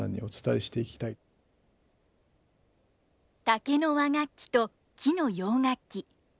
竹の和楽器と木の洋楽器。